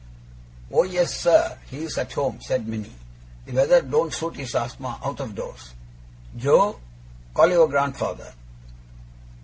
'Oh yes, sir, he is at home,' said Minnie; 'the weather don't suit his asthma out of doors. Joe, call your grandfather!